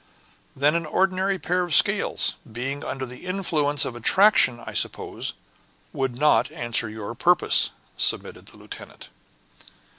"Then an ordinary pair of scales, being under the influence of attraction, I suppose, would not answer your purpose," submitted the lieutenant.